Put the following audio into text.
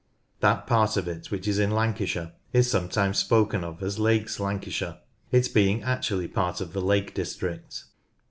That part of it which is in Lancashire is sometimes spoken of as "Lakes Lancashire," it being actually part of the Lake District.